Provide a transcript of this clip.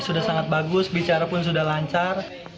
sudah sangat bagus bicara pun sudah lancar